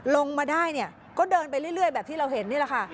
ลงมาได้เนี่ยก็เดินไปเรื่อยแบบที่เราเห็นนี่แหละค่ะ